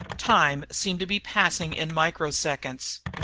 Time seemed to be passing in micro seconds